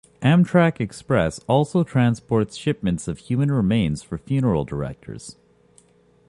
Amtrak Express also transports shipments of human remains for funeral directors.